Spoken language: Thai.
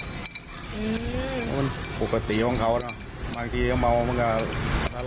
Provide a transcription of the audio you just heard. ถ้าเป็นตุ๊กในพื้นที่มีประวัติไหมแบบจะทำร้าย